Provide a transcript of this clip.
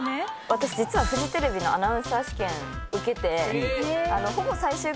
私実はフジテレビのアナウンサー試験受けて。